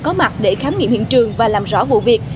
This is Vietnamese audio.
có mặt để khám nghiệm hiện trường và làm rõ vụ việc